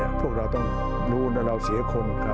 ด้วยความเคารพนะครับพวกเราฆราวะเนี่ยเสียคนมานานแล้ว